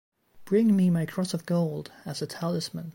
Bring me my cross of gold as a talisman.